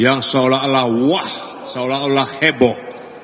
yang seolah olah wah seolah olah heboh